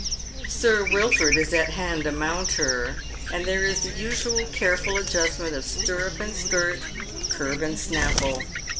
Sir Wilford is at hand to mount her, and there is the usual careful adjustment of stirrup and skirt, curb and snalHe.